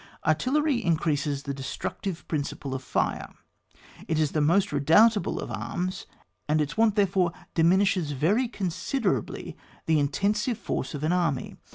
Artillery increases the destructive prin ciple of fire ; it is the most redoubtable of arms, and its want, therefore, diminished very considerably the intensive force of an army.